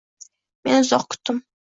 Men uzoq kutdim.